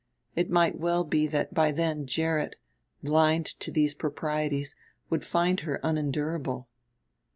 It might well be that by then Gerrit, blind to these proprieties, would find her unendurable.